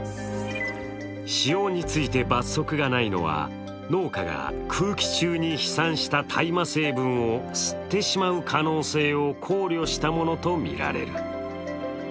使用について罰則がないのは農家が空気中に飛散した大麻成分を吸ってしまう可能性を考慮したものとみられる。